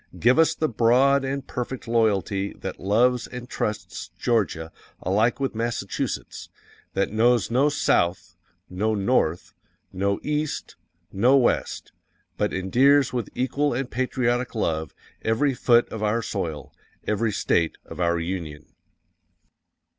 _ Give us the broad and perfect loyalty that loves and trusts GEORGIA alike with Massachusetts that knows no SOUTH, no North, no EAST, no West, but endears with equal and patriotic love every foot of our soil, every State of our Union.